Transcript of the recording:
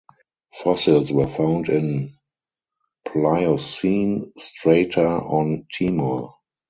Fossils were found in Pliocene strata on Timor.